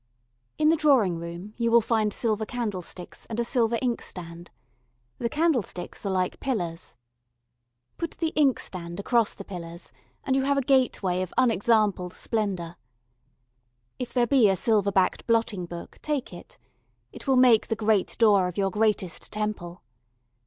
In the drawing room you will find silver candlesticks and a silver inkstand. The candlesticks are like pillars. Put the inkstand across the pillars and you have a gateway of unexampled splendour. If there be a silver backed blotting book, take it. It will make the great door of your greatest temple.